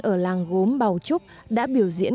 ở làng gốm bào trúc đã biểu diễn